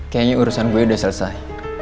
kayaknya urusan gue udah selesai